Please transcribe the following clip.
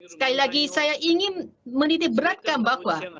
sekali lagi saya ingin menitipratkan bahwa